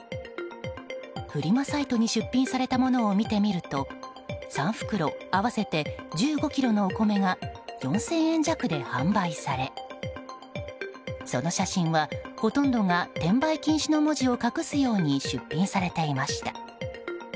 フリマサイトに出品されたものを見てみると３袋、合わせて１５ｋｇのお米が４０００円弱で販売されその写真はほとんどが転売禁止の文字を隠すように出品されていました。